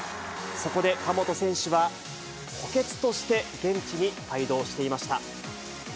そこで神本選手は補欠として、現地に帯同していました。